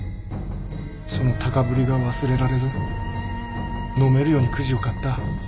その高ぶりが忘れられずのめるようにくじを買った。